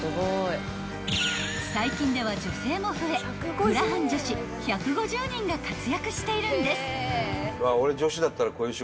［最近では女性も増えグラハン女子１５０人が活躍しているんです］